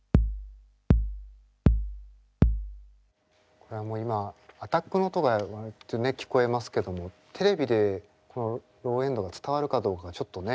これはもう今アタックの音が割と聞こえますけどもテレビでこのローエンドが伝わるかどうかがちょっとね。